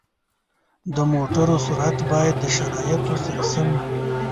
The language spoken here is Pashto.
د موټرو سرعت باید د شرایطو سره سم وي.